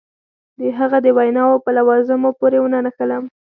د هغه د ویناوو په لوازمو پورې ونه نښلم.